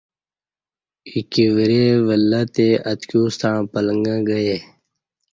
ایکی ورے ولہّ تے اتکیوستݩع پلݩگہ گئے